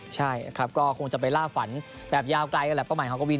ใช่ครับก็คงจะไปล่าฝันแบบยาวไกลนั่นแหละเป้าหมายของกวิน